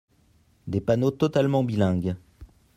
Des panneaux totalement bilingues.